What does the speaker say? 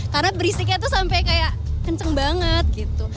karena berisiknya tuh sampai kayak kenceng banget gitu